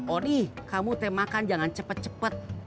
odi kamu teh makan jangan cepet cepet